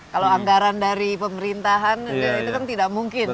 kalau anggaran dari pemerintahan itu kan tidak mungkin